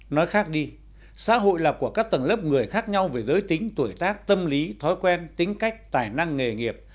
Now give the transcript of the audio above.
nói khác đi xã hội là của các tầng lớp người khác nhau về giới tính tuổi tác tâm lý thói quen tính cách tài năng nghề nghiệp